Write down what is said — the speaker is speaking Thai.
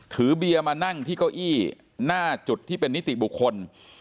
เบียร์มานั่งที่เก้าอี้หน้าจุดที่เป็นนิติบุคคล